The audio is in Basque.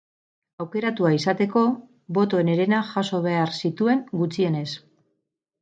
Aukeratua izateko, botoen herena jaso behar zituen gutxienez.